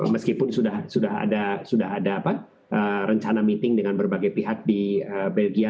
meskipun sudah ada rencana meeting dengan berbagai pihak di belgia